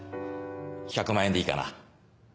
１００万円でいいかな？